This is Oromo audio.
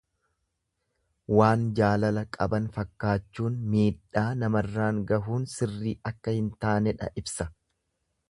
Waan jaalala qaban fakkaachuun miidhaa namarraan gahuun sirrii akka hin taanedha ibsa.